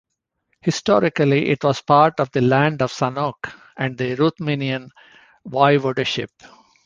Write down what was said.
Historically it was part of the "Land of Sanok" and the Ruthenian Voivodeship.